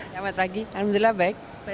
selamat pagi alhamdulillah baik